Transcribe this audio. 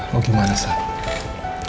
lo gimana sah